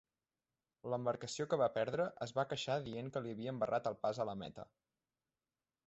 L'embarcació que va perdre es va queixar dient que li havien barrat el pas a la meta.